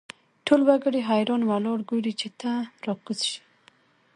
ټول وګړي حیران ولاړ ګوري چې ته را کوز شې.